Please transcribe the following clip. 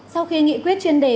sau khi nghị quyết chuyên đề